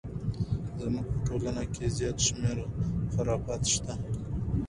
زموږ په ټولنه کې زیات شمیر خرافات شته!